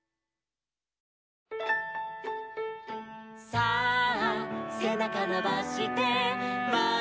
「さあせなかのばしてまえをむいて」